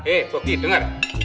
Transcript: eh kopi dengar